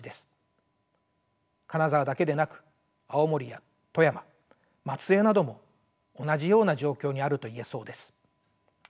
金沢だけでなく青森や富山松江なども同じような状況にあると言えそうです。